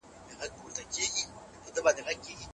ایا د ټولنیزو رسنیو ونډه په ادب کې زیاته ده؟